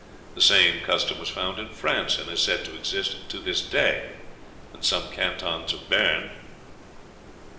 The same custom was found in France, and is said to exist to this day in some cantons of Béarn.